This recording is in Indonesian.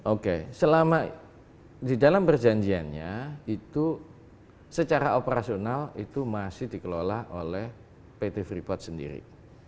oke selama di dalam perjanjiannya itu secara operasional itu masih dikelola oleh pt freeport sendiri